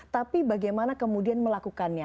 tapi bagaimana kemudian melakukannya